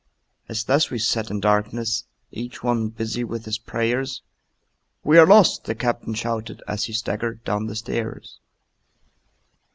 As thus we sat in darkness Each one busy with his prayers, "We are lost!" the captain shouted, As he staggered down the stairs.